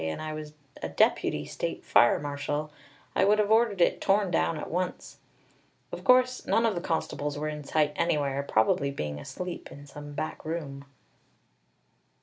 and I was a deputy state fire marshal, I would have ordered it torn down at once. Of course none of the constables were in sight anywhere, probably being asleep in some back room!